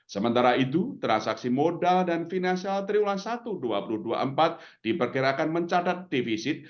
sementara itu transaksi modal dan finansial triula satu dua ribu dua puluh empat diperkirakan mencatat defisit